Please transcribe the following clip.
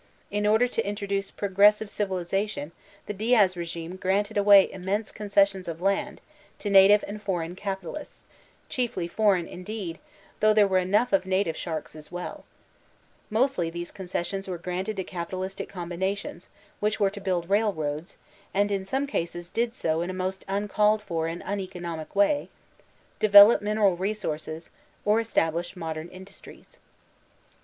In order to introduce "progressive civilization" the Diaz regime granted away immense concessions of land, to native and foreign capitalists — chiefly foreign indeed, though there were enough of native sharks as welL Mostly these concessions were granted to capitalistic combinations, which were to build railroads (and in some cases did so in a most uncalled for and uneconomic way) , "develop'' mineral resources, or establish "modem indus tries.''